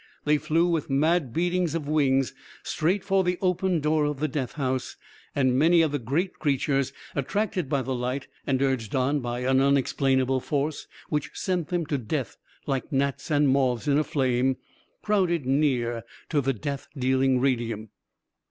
They flew with mad beatings of wings straight for the open door of the death house, and many of the great creatures, attracted by the light and urged on by an unexplainable force which sent them to death like gnats and moths in a flame, crowded near to the death dealing radium.